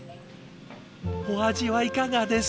お味はいかがです？